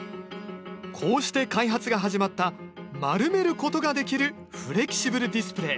こうして開発が始まった丸めることができるフレキシブルディスプレー。